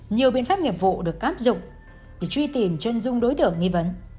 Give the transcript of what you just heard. nhiều biện pháp nghiệp vụ được áp dụng để truy tìm chân dung đối tượng nghi vấn